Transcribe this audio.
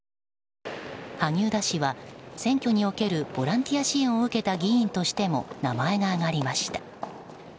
萩生田氏は選挙におけるボランティア支援を受けた議員としても名前が挙がりました。